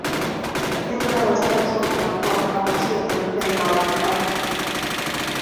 It covers parts of Norfolk County and Plymouth County.